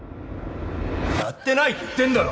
やってないって言ってんだろ